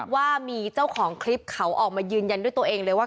ว่ามีเจ้าของคลิปเขาออกมายืนยันด้วยตัวเองเลยว่า